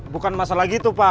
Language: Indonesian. bukan masalah gitu pak